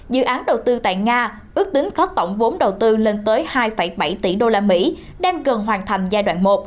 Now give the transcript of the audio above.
dự án đầu tư tại nga ước tính có tổng vốn đầu tư lên tới hai bảy tỷ usd đang cần hoàn thành giai đoạn một